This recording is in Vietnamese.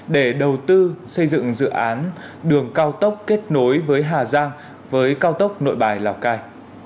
để đầu tư xây dựng dự án đường cao tốc kết nối với hà giang với cao tốc nội bài lào cai